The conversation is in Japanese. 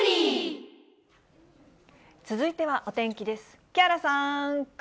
続いてはお天気です。